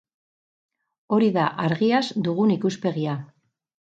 Hori da argiaz dugun ikuspegia.